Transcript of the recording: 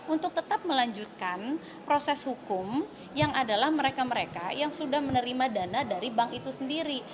untuk tetap melanjutkan proses hukum yang adalah mereka mereka yang sudah menerima dana dari bank itu sendiri